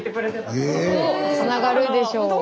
つながるでしょう。